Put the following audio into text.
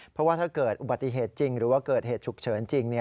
เพราะว่าถ้าเกิดอุบัติเหตุจริงหรือว่าเกิดเหตุฉุกเฉินจริง